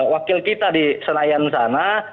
wakil kita di senayan sana